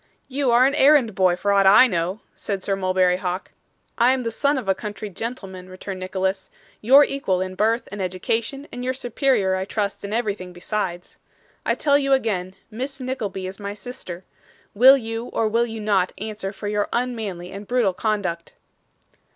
'You are an errand boy for aught I know,' said Sir Mulberry Hawk. 'I am the son of a country gentleman,' returned Nicholas, 'your equal in birth and education, and your superior I trust in everything besides. I tell you again, Miss Nickleby is my sister. Will you or will you not answer for your unmanly and brutal conduct?